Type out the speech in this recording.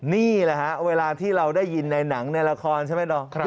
นี่แหละฮะเวลาที่เราได้ยินในหนังในละครใช่ไหมน้อง